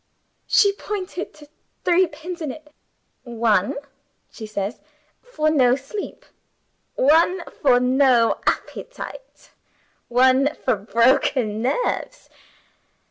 She pointed to three pins in it. 'One,' she says, 'for no sleep. One for no appetite. One for broken nerves.